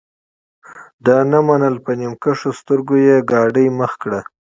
ده نه منله په نیم کښو سترګو یې ګاډۍ مخ کړه.